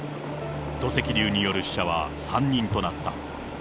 土石流による死者は３人となった。